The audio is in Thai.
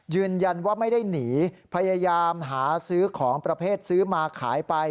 ยืนยันว่าไม่ได้หนีพยายามหาซื้อของประเภทซื้อมาขายไป